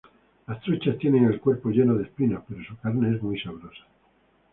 Las truchas tienen el cuerpo lleno de espinas, pero su carne es muy sabrosa.